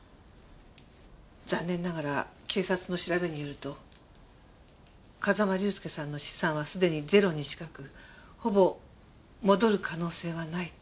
残念ながら警察の調べによると風間隆介さんの資産はすでにゼロに近くほぼ戻る可能性はないと。